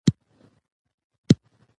وچه لنده د بازۍ لوری ټاکي.